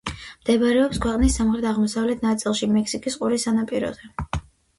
მდებარეობს ქვეყნის სამხრეთ-აღმოსავლეთ ნაწილში, მექსიკის ყურის სანაპიროზე.